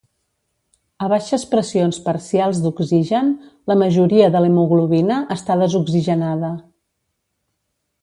A baixes pressions parcials d'oxigen, la majoria de l'hemoglobina està desoxigenada.